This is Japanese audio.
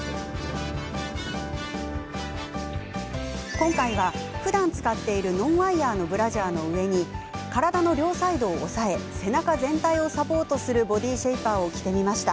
今回は、ふだん使っているノンワイヤーのブラジャーの上に体の両サイドを押さえ背中全体をサポートするボディシェイパーを着てみました。